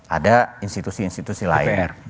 ada institusi institusi lain